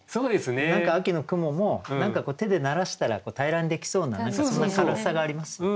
何か秋の雲も何か手でならしたら平らにできそうな何かそんな軽さがありますよね。